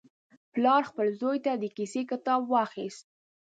پلار خپل زوی ته د کیسې کتاب واخیست.